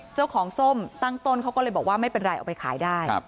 ส้มตั้งต้นเขาก็เลยบอกว่าไม่เป็นไรเอาไปขายได้